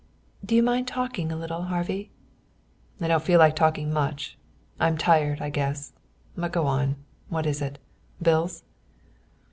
"Do you mind talking a little, Harvey?" "I don't feel like talking much. I'm tired, I guess. But go on. What is it? Bills?"